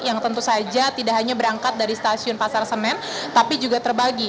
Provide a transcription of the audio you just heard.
yang tentu saja tidak hanya berangkat dari stasiun pasar senen tapi juga terbagi